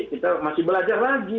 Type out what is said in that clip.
kita masih belajar lagi